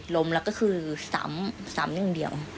ล้มแล้วก็คือสามสามอย่างเดียว